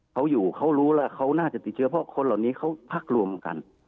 เขาอยู่เขารู้แล้วเขาน่าจะติดเชื้อเพราะคนเหล่านี้เขาพักรวมกัน